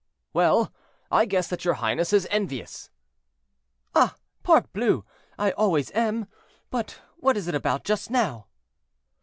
"Well! I guess that your highness is envious." "Ah! parbleu, I always am; but what is it about just now?"